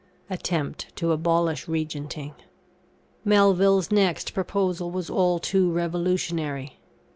] ATTEMPT TO ABOLISH REGENTING. Melville's next proposal was all too revolutionary.